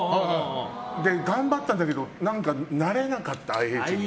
頑張ったんだけど慣れなかった、ＩＨに。